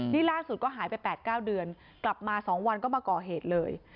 นี่ล่าสุดก็หายไป๘๙เดือนกลับมา๒วันก็มาก่อเหตุเลย